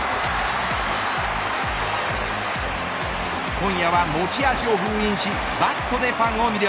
今夜は持ち味を封印しバットでファンを魅了。